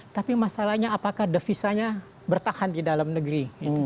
tapi masalahnya apakah devisanya bertahan di dalam negeri